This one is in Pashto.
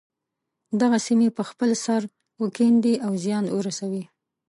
دغه سیمې په خپل سر وکیندي او زیان ورسوي.